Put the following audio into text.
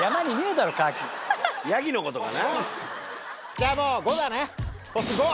じゃあもう５だね星５！